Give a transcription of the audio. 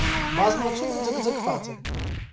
Բազմացումը ձգձգված է։